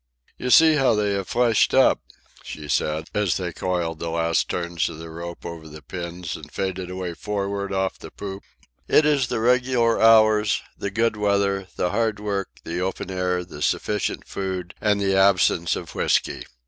"You see how they have fleshed up," she said, as they coiled the last turns of the ropes over the pins and faded away for'ard off the poop. "It is the regular hours, the good weather, the hard work, the open air, the sufficient food, and the absence of whisky.